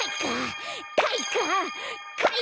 かいか！